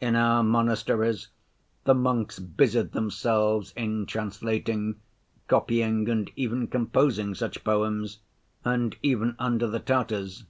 In our monasteries the monks busied themselves in translating, copying, and even composing such poems—and even under the Tatars.